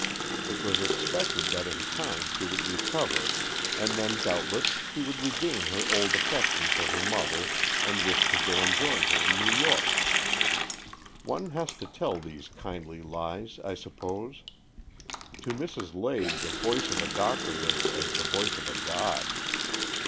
It was expected that in time she would recover, and then doubtless she would regain her old affection for her mother and wish to go out and join her in New York. 192 AN EXCHANGE OF SOULS One has to tell these kindly lies, I suppose. To Mrs. Lade the voice of a doctor was as the voice of a god.